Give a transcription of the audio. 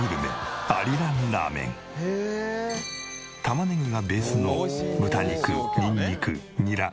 玉ねぎがベースの豚肉ニンニクニラ